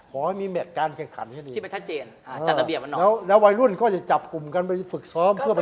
ขอให้มีแม่งการแข่งขันให้ดีแล้วแล้ววัยรุ่นก็จะจับกลุ่มกันไปฝึกซ้อม